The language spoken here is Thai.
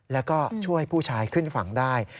แล้วก็ช่วยผู้ชายขึ้นฝั่งได้